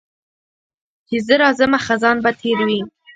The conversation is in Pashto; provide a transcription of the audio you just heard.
چي زه راځمه خزان به تېر وي